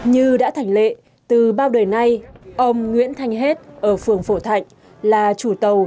như đã thành lệ từ bao đời nay ông nguyễn thanh hết ở phường phổ thạnh là chủ tàu